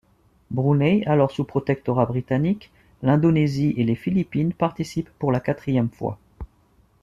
Brunei, alors sous protectorat britannique, l'Indonésie et les Philippines participent pour la quatrième fois.